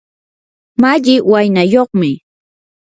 malli waynayuqmi.